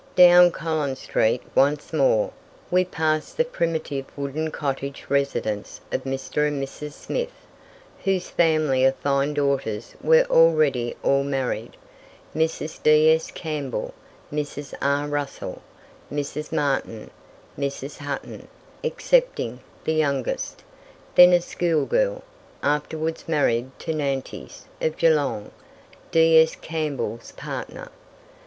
Down Collins street once more, we pass the primitive wooden cottage residence of Mr. and Mrs. Smith, whose family of fine daughters were already all married Mrs. D.S. Campbell, Mrs. R. Russell, Mrs. Martin, Mrs. Hutton excepting the youngest, then a school girl, afterwards married to Nantes, of Geelong, D.S. Campbell's partner.